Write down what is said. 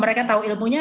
mereka tahu ilmunya